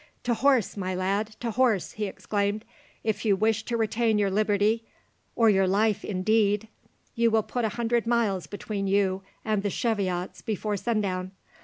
"To horse, my lad, to horse!" he exclaimed. "If you wish to retain your liberty, or your life indeed, you will put a hundred miles between you and the Cheviots before sundown.